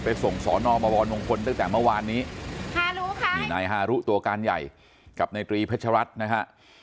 ส่งสอนอบวรมงคลตั้งแต่เมื่อวานนี้ฮารุค่ะนี่นายฮารุตัวการใหญ่กับนายตรีเพชรัตน์นะฮะ